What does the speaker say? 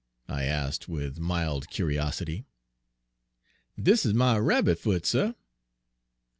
I asked, with mild curiosity. "Dis is my rabbit foot, suh."